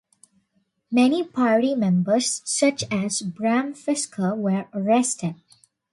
Many party members, such as Bram Fischer were arrested.